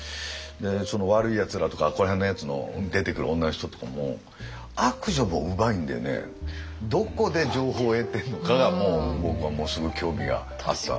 「わるいやつら」とかここら辺のやつの出てくる女の人とかも悪女もうまいんでねどこで情報を得てるのかが僕はものすごい興味があった。